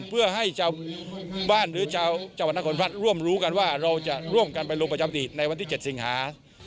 เพื่อให้ชาวบ้านหรือชาวจังหวัดนครพัฒน์ร่วมรู้กันว่าเราจะร่วมกันไปลงประจำอดีตในวันที่๗สิงหา